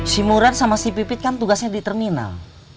si murad sama si pipit kan tugasnya di terminal